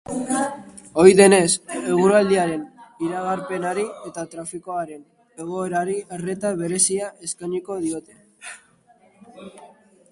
Ohi denez, eguraldiaren iragarpenari eta trafikoaren egoerari arreta berezia eskainiko diote.